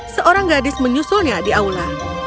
seorang gadis menyusulnya di aula